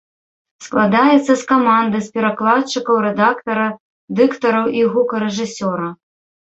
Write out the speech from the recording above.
Складаецца з каманды з перакладчыкаў, рэдактара, дыктараў і гукарэжысёра.